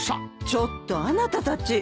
ちょっとあなたたち。